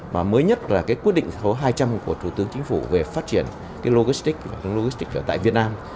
mới nhất là quyết định số hai trăm linh của thủ tướng chính phủ về phát triển logistics ở việt nam